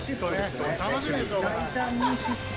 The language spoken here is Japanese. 楽しみでしょうがない。